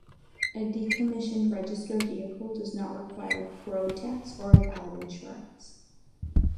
A decommissioned registered vehicle does not require road tax or a valid insurance.